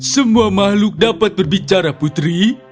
semua makhluk dapat berbicara putri